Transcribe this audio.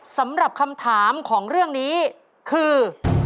สำหรับคำถามของเรื่องนี้คือ